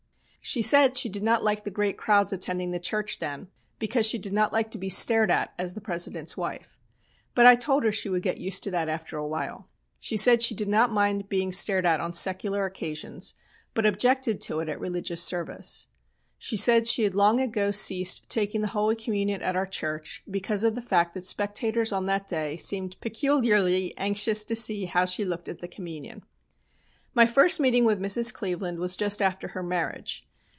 "She said she did not like the great crowds attending the church then, because she did not like to be stared at as the President's wife. But I told her she would get used to that after a while. She said she did not mind being stared at on secular occasions, but objected to it at religious service. She said she had long ago ceased taking the Holy Communion at our church because of the fact that spectators on that day seemed peculiarly anxious to see how she looked at the Communion. "My first meeting with Mrs. Cleveland was just after her marriage.